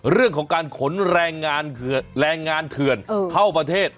เรื่องของการขนแรงงานแรงงานเถื่อนเข้าประเทศ